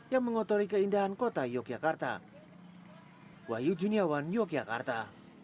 yang mengotori keindahan kota yogyakarta